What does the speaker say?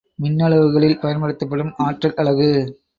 மின்னளவுகளில் பயன்படுத்தப்படும் ஆற்றல் அலகு.